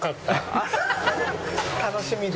楽しみで？